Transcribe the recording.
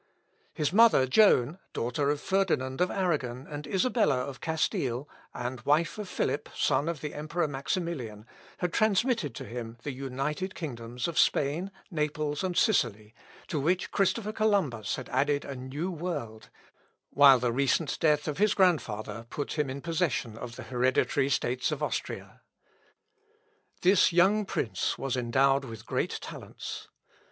His mother, Joan, daughter of Ferdinand of Arragon and Isabella of Castile, and wife of Philip, son of the Emperor Maximilian, had transmitted to him the united kingdoms of Spain, Naples, and Sicily, to which Christopher Columbus had added a new world, while the recent death of his grandfather put him in possession of the hereditary States of Austria. This young prince, who was endowed with great talents.